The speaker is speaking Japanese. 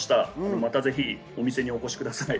また、ぜひお店にお越しください。